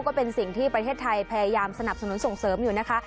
ก็เป็นสิ่งที่ประเทศไทยพยายามสนับสนุนส่งเสริมอยู่นะคะ